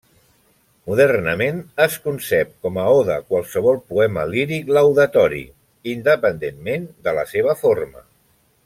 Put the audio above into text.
Modernament, es concep com a oda qualsevol poema líric laudatori, independentment de la seva forma.